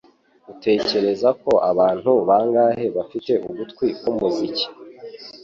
Utekereza ko abantu bangahe bafite ugutwi kwumuziki?